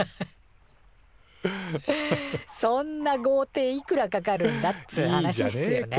そんなごうていいくらかかるんだっつう話っすよね。